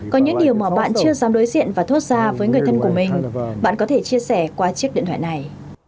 có những điều mà bạn chưa dám đối diện và thoát ra với người thân của mình bạn có thể chia sẻ qua chiếc điện thoại này